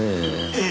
ええ。